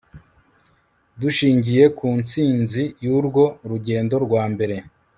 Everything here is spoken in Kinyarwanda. Dushingiye ku ntsinzi yurwo rugendo rwa mbere